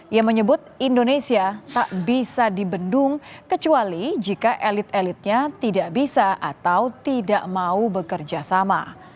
ia menyebut indonesia tak bisa dibendung kecuali jika elit elitnya tidak bisa atau tidak mau bekerja sama